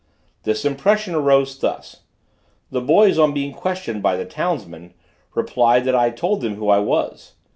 This impression arose thus: the boys on being questioned by the townsmen, replied that I had told them who I was.